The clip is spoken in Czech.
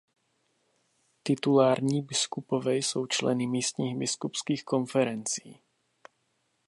Titulární biskupové jsou členy místních biskupských konferencí.